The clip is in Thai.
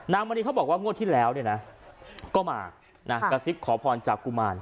มณีเขาบอกว่างวดที่แล้วเนี่ยนะก็มากระซิบขอพรจากกุมาร